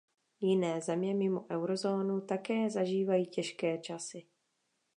Jiné země mimo eurozónu také zažívají těžké časy.